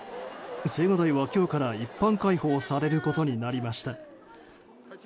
青瓦台は今日から一般開放されることになりました。